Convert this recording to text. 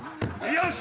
よし！